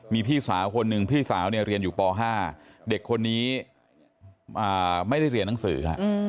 มีพี่สาวคนหนึ่งพี่สาวเนี่ยเรียนอยู่ป๕เด็กคนนี้ไม่ได้เรียนหนังสือ